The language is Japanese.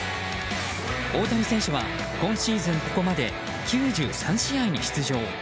大谷選手は今シーズンここまで９３試合に出場。